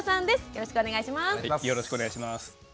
よろしくお願いします。